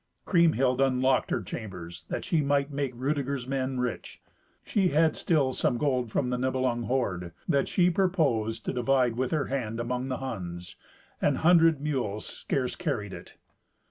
Kriemhild unlocked her chambers, that she might make Rudeger's men rich. She had still some gold from the Nibelung hoard, that she purposed to divide with her hand among the Huns. An hundred mules scarce carried it.